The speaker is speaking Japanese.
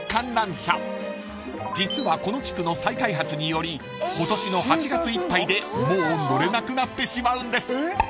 ［実はこの地区の再開発により今年の８月いっぱいでもう乗れなくなってしまうんです］